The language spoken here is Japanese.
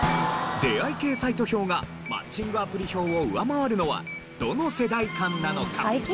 出会い系サイト票がマッチングアプリ票を上回るのはどの世代間なのか。